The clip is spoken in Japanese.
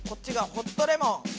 ホットレモン。